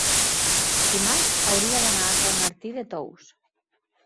dimarts hauria d'anar a Sant Martí de Tous.